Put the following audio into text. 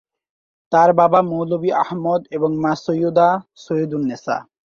তার বাবা মৌলভী আহমদ এবং মা সৈয়দা সৈয়দুন্নেসা।